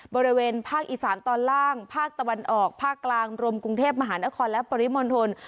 บริเวณภาคอีสานตอนล่างภาคตะวันออกภาคกลางรวมกรุงเทพมหานครและปริมณฑล